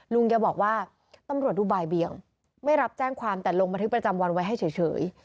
ลุงแกบอกว่าตำรวจดูบ่ายเบียงไม่รับแจ้งความแต่ลงบันทึกประจำวันไว้ให้เฉย